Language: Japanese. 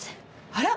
あら？